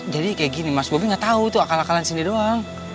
jadi kayak gini mas bobby gak tahu itu akal akalan cindy doang